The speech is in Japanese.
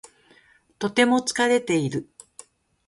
とても疲れている。